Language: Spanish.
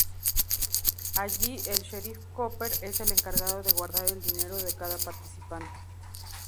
Allí, el sheriff Cooper es el encargado de guardar el dinero de cada participante.